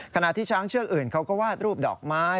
ขณะที่ช้างเชือกอื่นเขาก็วาดรูปดอกไม้